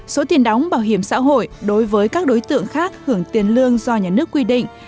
số tiền đóng bảo hiểm xã hội đối với các đối tượng khác hưởng tiền lương do nhà nước quy định